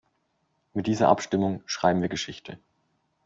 Mit dieser Abstimmung schreiben wir Geschichte.